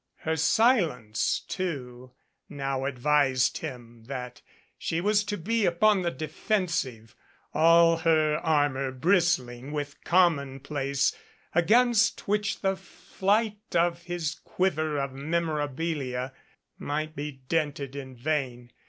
Her silence, too, now advised him that she was to be upon the defensive, all her armor bristling with commonplace, against which the flight of his quiver of memorabilia might be dented in vain.